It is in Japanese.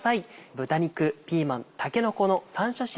豚肉ピーマンたけのこの山椒塩炒め